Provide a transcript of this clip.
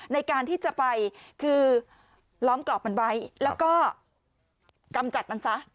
ในการที่จะไปคือล้อมกรอบมันไว้แล้วก็กำจัดมันซะ